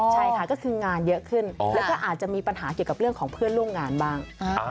ใช่ค่ะก็คืองานเยอะขึ้นแล้วก็อาจจะมีปัญหาเกี่ยวกับเรื่องของเพื่อนร่วมงานบ้าง